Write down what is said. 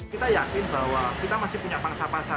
kita yakin bahwa kita masih punya pangsa pasar